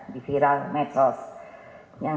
di viral mecos yang